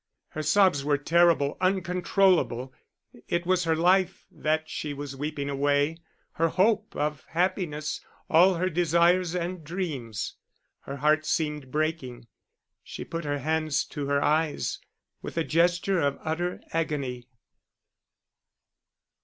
Her sobs were terrible, uncontrollable; it was her life that she was weeping away, her hope of happiness, all her desires and dreams. Her heart seemed breaking. She put her hands to her eyes, with a gesture of utter agony.